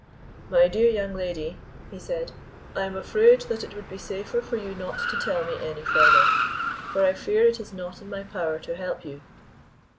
"My dear young lady," he said, "I am afraid that it would be safer for you not to tell me any further, for I fear it is not in my power to help you."